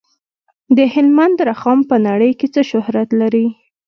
د هلمند رخام په نړۍ کې څه شهرت لري؟